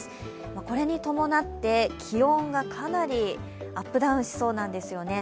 これに伴って、気温がかなりアップダウンしそうなんですよね。